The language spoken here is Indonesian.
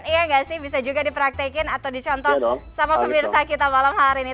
iya nggak sih bisa juga dipraktekin atau dicontoh sama pemirsa kita malam hari ini